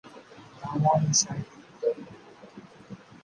ভ্রমণ সাহিত্য